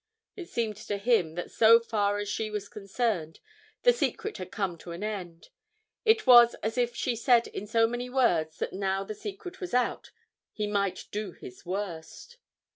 It seemed to him that so far as she was concerned the secret had come to an end; it was as if she said in so many words that now the secret was out he might do his worst.